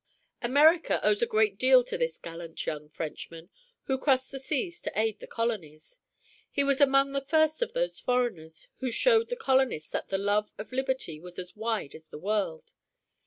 America owes a great deal to this gallant young Frenchman who crossed the seas to aid the colonies. He was among the first of those foreigners who showed the colonists that the love of liberty was as wide as the world.